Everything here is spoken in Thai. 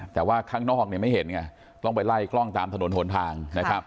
แต่ว่าข้างนอกไม่เห็นไงต้องไปไล่กล้องตามถนนหนทางนะครับ